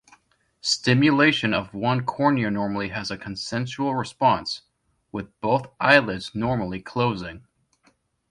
Stimulation of one cornea normally has a consensual response, with both eyelids normally closing.